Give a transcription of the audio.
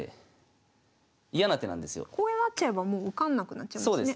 こうなっちゃえばもう受かんなくなっちゃいますね。